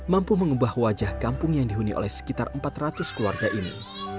mampu mengubah wajah kampung yang dihuni oleh sekitar empat ratus keluarga ini